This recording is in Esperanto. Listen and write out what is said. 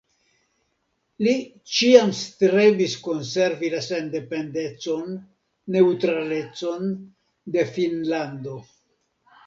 Li ĉiam strebis konservi la sendependecon, neŭtralecon de Finnlando.